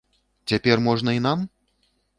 Цяпер можна і нам?